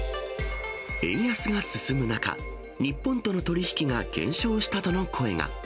円安が進む中、日本との取り引きが減少したとの声が。